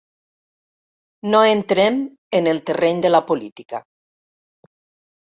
No entrem en el terreny de la política.